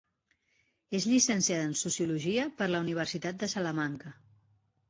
És llicenciada en sociologia per la Universitat de Salamanca.